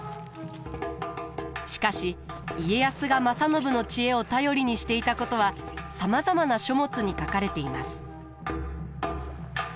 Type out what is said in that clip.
しかし家康が正信の知恵を頼りにしていたことはさまざまな書物に書かれています。